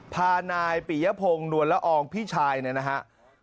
พานายปียะพงนวลละอองพี่ชายนะครับ